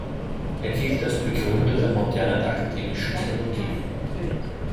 Er gilt als Begründer der modernen akademischen Chirurgie.